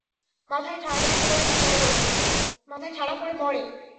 মাথায় ঠাডা পড়ে মরে।